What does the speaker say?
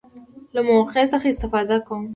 له موقع څخه استفاده کوم.